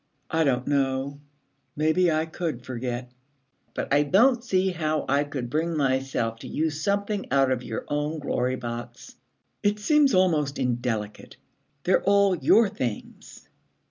'I don't know; maybe I could forget. But I don't see how I could bring myself to use something out of your own Glory Box. It seems almost indelicate. They're all your things.'